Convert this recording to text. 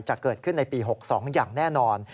จะเกิดขึ้นในปี๖๒อย่างแน่นอน